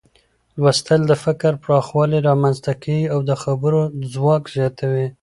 لوستل د فکر پراخوالی رامنځته کوي او د خبرو ځواک زیاتوي.